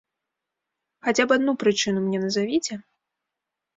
Хаця б адну прычыну мне назавіце!